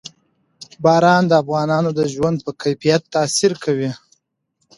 باران د افغانانو د ژوند په کیفیت تاثیر کوي.